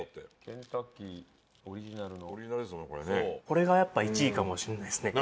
これがやっぱ１位かもしれないですね